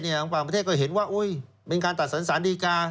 มีอธิบายประเทศก็เห็นว่าปราศนาสารโดยการ